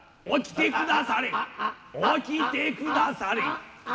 起きてくだされ起きてくだされ。